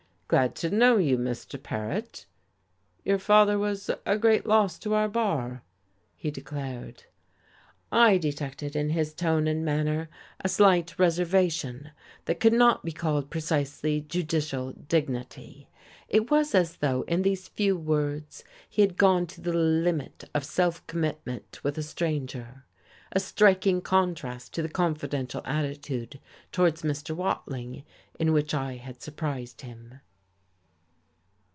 "Glad to know you, Mr. Paret. Your father was a great loss to our bar," he declared. I detected in his tone and manner a slight reservation that could not be called precisely judicial dignity; it was as though, in these few words, he had gone to the limit of self commitment with a stranger a striking contrast to the confidential attitude towards Mr. Watling in which I had surprised him.